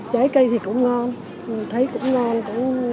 trái cây thì cũng ngon thấy cũng ngon